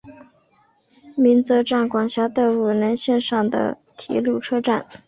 鸣泽站管辖的五能线上的铁路车站。